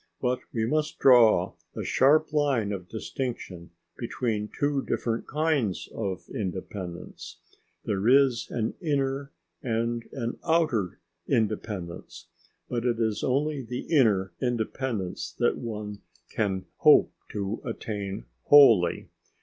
But we must draw a sharp line of distinction between two different kinds of independence. There is an inner and an outer independence. But it is only the inner independence that one can hope to attain wholly.